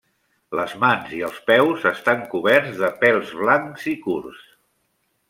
Les mans i els peus estan coberts de pèls blancs i curts.